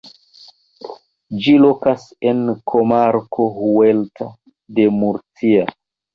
Ĝi lokas en komarko Huerta de Murcia.